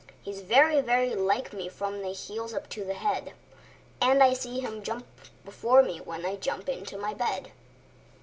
He is very, very like me from the heels up to the head; And I see him jump before me, when I jump into my bed.